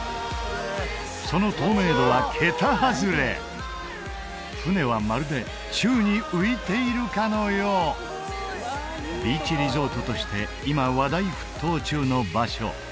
その透明度は桁外れ船はまるで宙に浮いているかのようビーチリゾートとして今話題沸騰中の場所